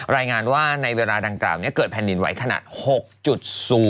รายงานว่าในเวลาดังกล่าวนี้เกิดแผ่นดินไหวขนาด๖๐